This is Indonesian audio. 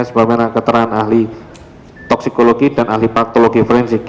sebagai keterangan ahli toksikologi dan ahli patologi forensik